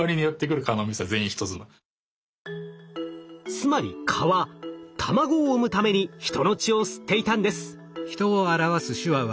つまり蚊は卵を産むために人の血を吸っていたんです。